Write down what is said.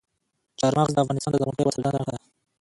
چار مغز د افغانستان د زرغونتیا یوه څرګنده نښه ده.